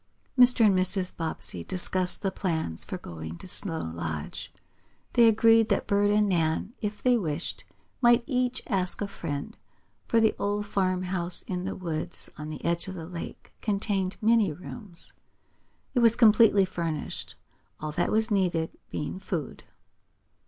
Mr. and Mrs. Bobbsey discussed the plans for going to Snow Lodge. They agreed that Bert and Nan, if they wished, might each ask a friend, for the old farmhouse in the woods on the edge of the lake contained many rooms. It was completely furnished, all that was needed being food.